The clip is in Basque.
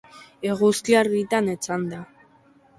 Eguzki-argitan etzanda.